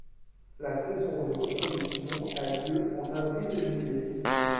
La saison de reproduction a lieu en avril-juillet.